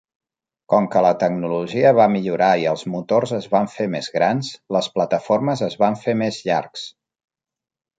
Com que la tecnologia va millorar i els motors es van fer més grans, les plataformes es van fer més llargs.